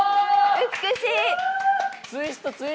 美しい！